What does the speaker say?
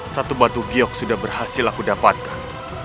satu batu biok sudah berhasil aku dapatkan